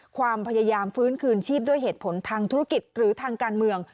ความพยายามฟื้นคืนชีพด้วยเหตุผลทางธุรกิจหรือทางการเมือง